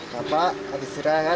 bapak habis rehat habis kerja ini